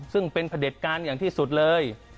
ซึ่งเป็นพระเด็จการอย่างที่สุดเลย